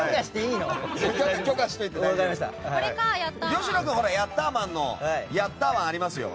吉野君、ヤッターマンのヤッターワンがありますよ。